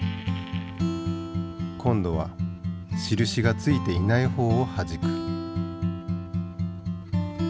今度は印が付いていない方をはじく。